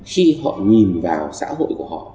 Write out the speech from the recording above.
khi họ nhìn vào xã hội của họ